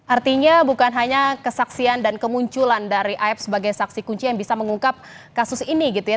artinya bukan hanya kesaksian dan kemunculan dari aib sebagai saksi kunci yang bisa mengungkap kasus ini gitu ya